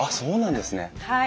はい。